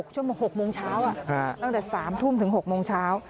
ช่วง๖โมงเช้าตั้งแต่๓ทุ่มถึง๖โมงเช้า